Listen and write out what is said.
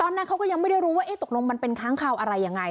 นั้นเขาก็ยังไม่ได้รู้ว่าตกลงมันเป็นค้างคาวอะไรยังไง